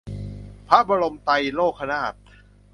พระบรมไตรโลกนาถ